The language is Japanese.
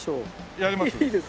やります。